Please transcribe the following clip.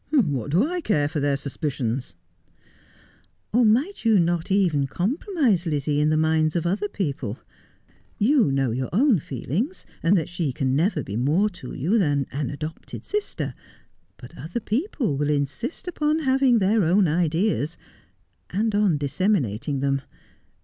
' What do I care for their suspicions 1 ' 1 Or might you not even compromise Lizzie in the minds of other people ? You know your own feelings, and that she can never be more to you than an adopted sister. But other people will insist upon having their own ideas, and on disseminating them.